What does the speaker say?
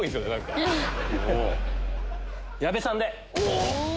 矢部さんで。